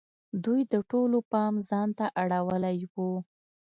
دوی د ټولو پام ځان ته اړولی وو.